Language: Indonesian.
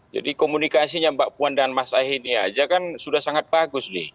jadi komunikasinya mbak puan dan mas ahy ini saja kan sudah sangat bagus